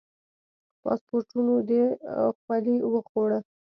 پاسپورتونو دخولي وخوړه.